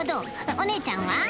おねえちゃんは？